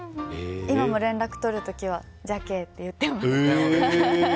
今も連絡とる時はじゃけえって言ってます。